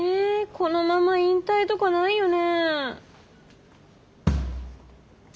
このまま引退とかないよね。